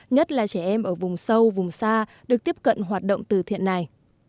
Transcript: nhất là trẻ em ở vùng sâu vùng xa được tiếp cận hoạt động từ thiện này